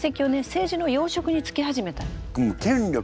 政治の要職につけ始めたのよ。